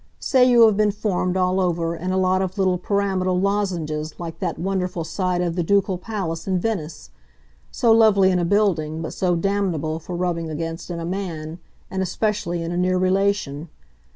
Say you had been formed, all over, in a lot of little pyramidal lozenges like that wonderful side of the Ducal Palace in Venice so lovely in a building, but so damnable, for rubbing against, in a man, and especially in a near relation.